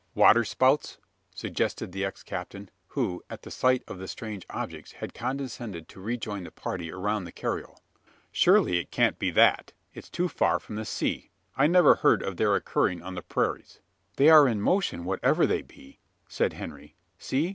"Waterspouts?" suggested the ex captain, who, at sight of the strange objects, had condescended to rejoin the party around the carriole. "Surely it can't be that? It's too far from the sea. I never heard of their occurring on the prairies." "They are in motion, whatever they be," said Henry. "See!